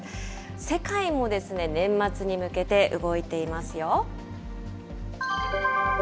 世界も年末に向けて動いていますよ。